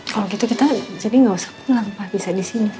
kalau gitu kita jadi nggak usah pulang bisa di sini